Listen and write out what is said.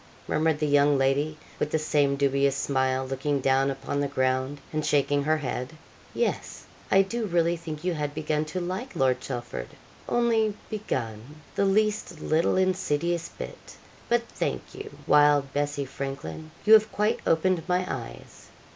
murmured the young lady, with the same dubious smile, looking down upon the ground, and shaking her head. 'Yes, I do really think you had begun to like Lord Chelford only begun, the least little insidious bit; but thank you, wild Bessie Frankleyn, you have quite opened my eyes.